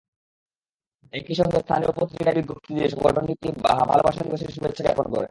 একই সঙ্গে স্থানীয় পত্রিকায় বিজ্ঞপ্তি দিয়ে সংগঠনটি ভালোবাসা দিবসের শুভেচ্ছা জ্ঞাপন করে।